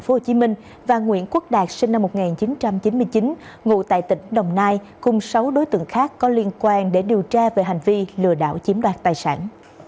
tp hcm và nguyễn quốc đạt sinh năm một nghìn chín trăm chín mươi chín ngụ tại tỉnh đồng nai cùng sáu đối tượng khác có liên quan để điều tra về hành vi lừa đảo chiếm đoạt tài sản